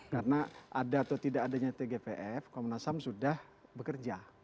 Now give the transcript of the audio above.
karena ada atau tidak adanya tgpf komnas ham sudah bekerja